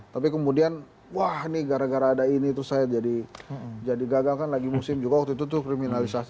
tapi kemudian wah ini gara gara ada ini terus saya jadi gagal kan lagi musim juga waktu itu tuh kriminalisasi